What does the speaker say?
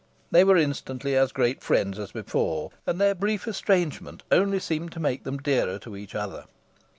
They were instantly as great friends as before, and their brief estrangement only seemed to make them dearer to each other.